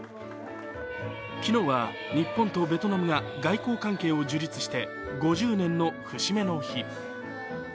昨日は日本とベトナムが外交関係を樹立して５０年の節目の日。